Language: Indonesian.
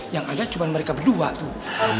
yang ada cuma mereka berdua tuh